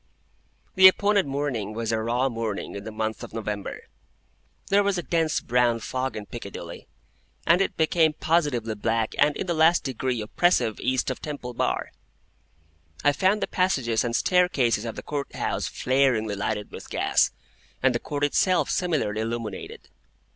The appointed morning was a raw morning in the month of November. There was a dense brown fog in Piccadilly, and it became positively black and in the last degree oppressive East of Temple Bar. I found the passages and staircases of the Court House flaringly lighted with gas, and the Court itself similarly illuminated.